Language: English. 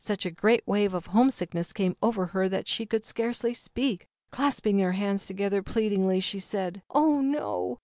Such a great wave of homesickness came over her that she could scarcely speak. \jjjll Clasping her hands together plead ingly, she said: "Oh, no!